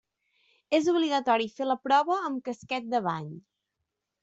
És obligatori fer la prova amb casquet de bany.